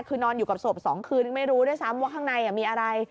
คือนอนอยู่กับศพ๒คืนไม่รู้ด้วยซ้ำว่าข้างในมีอะไร